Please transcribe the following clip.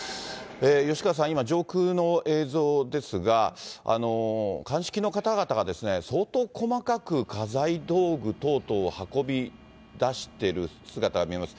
吉川さん、今、上空の映像ですが、鑑識の方々が相当細かく家財道具等々を運び出してる姿が見えます。